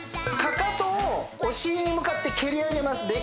かかとをお尻に向かって蹴り上げます